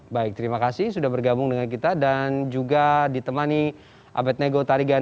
baik terima kasih sudah bergabung dengan kita dan juga ditemani abed nego tarigan